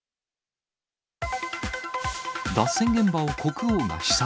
脱線現場を国王が視察。